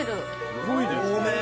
すごいですね。